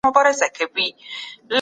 د بدن کشول درد کموي